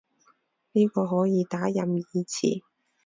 呢個可以打任意詞